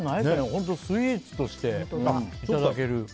本当、スイーツとしていただける。